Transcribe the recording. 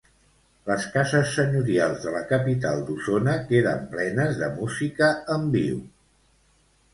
Les cases senyorials de la capital d'Osona queden plenes de música en viu.